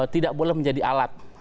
tidak boleh menjadi alat